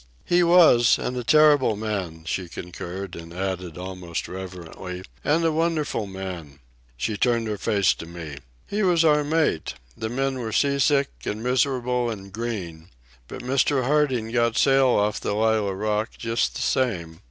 "He was, and a terrible man," she concurred, and added, almost reverently: "And a wonderful man." She turned her face to me. "He was our mate. The men were sea sick and miserable and green. But Mr. Harding got the sail off the Lallah Rookh just the same.